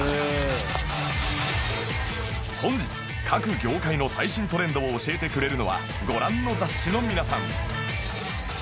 本日各業界の最新トレンドを教えてくれるのはご覧の雑誌の皆さん